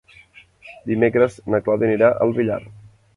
Dimecres na Clàudia anirà al Villar.